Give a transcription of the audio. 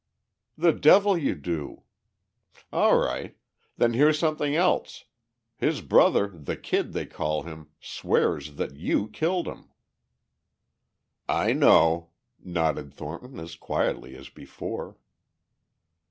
"The devil you do? All right. Then here's something else. His brother, the Kid, they call him, swears that you killed him." "I know," nodded Thornton as quietly as before.